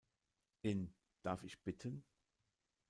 In "Darf ich bitten?